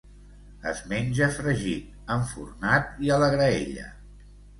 Es menja fregit, enfornat i a la graella.